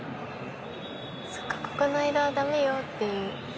そっかここの間はダメよっていう。